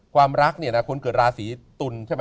ความรักเนี่ยนะคนเกิดราศีตุลใช่ไหม